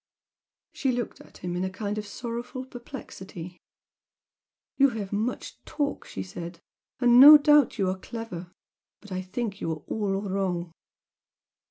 She looked at him in a kind of sorrowful perplexity. "You have much talk" she said "and no doubt you are clever. But I think you are all wrong!"